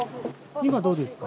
今、どうですか？